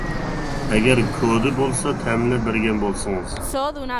ئەگەر كودى بولسا تەمىنلەپ بەرگەن بولسىڭىز.